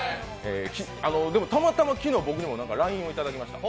たまたま昨日僕にもＬＩＮＥをいただきました。